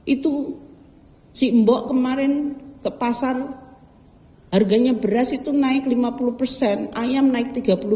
itu cimbok kemarin ke pasar harganya beras itu naik lima puluh persen ayam naik tiga puluh lima